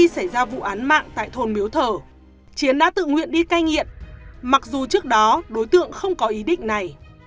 xảy ra vụ án mạng tại thôn miếu thờ chiến đã tự nguyện đi cai nghiện mặc dù trước đó đối tượng không có ý định này